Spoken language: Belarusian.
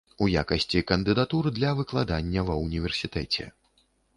У якасці кандыдатур для выкладання ва ўніверсітэце.